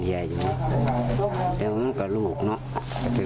ไปวางเลยเขาไม่เอาเรื่องอ่ะเนอะ